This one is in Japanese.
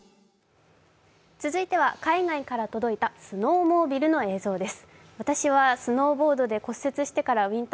続いては海外から届いたスノーモービルの映像です。